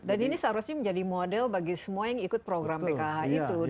dan ini seharusnya menjadi model bagi semua yang ikut program pkh itu